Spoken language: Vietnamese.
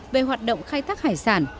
về hoạt động khai thác hải sản